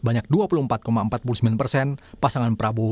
sejak awal harus suara yang segera tidak ada